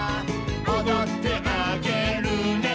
「おどってあげるね」